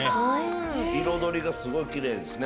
彩りがすごいキレイですね。